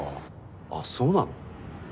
あっそうなの？